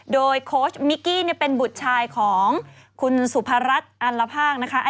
โดยโค้ชมิกกี้เป็นบุตรชายของคุณสุภารัฐอัลภาคนะคะ